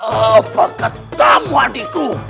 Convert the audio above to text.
apakah tamu adiko